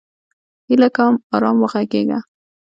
هیله کوم! ارام وغږیږه!